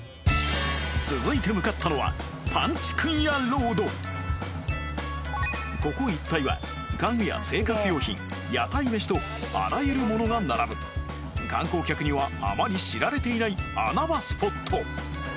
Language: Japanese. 続いて向かったのはここ一帯は家具や生活用品屋台メシとあらゆるものが並ぶ観光客にはあまり知られていない穴場スポット